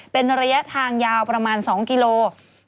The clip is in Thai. เป็นระยะทางยาวประมาณ๒กิโลกรัม